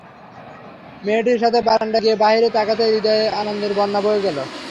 মেয়েটির সাথে বারান্দায় গিয়ে বাহিরে তাকাতেই হৃদয়ে আনন্দের বন্যা বয়ে গেল।